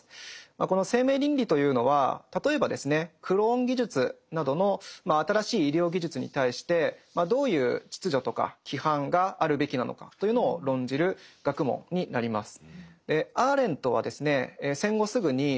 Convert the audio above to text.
この生命倫理というのは例えばですねクローン技術などの新しい医療技術に対してどういう秩序とか規範があるべきなのかというのを論じる学問になります。